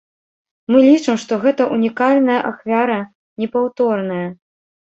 Мы лічым, што гэта ўнікальная ахвяра, непаўторная.